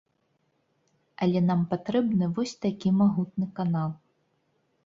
Але нам патрэбны вось такі магутны канал.